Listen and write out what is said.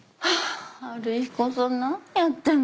春彦さん何やってんだろ。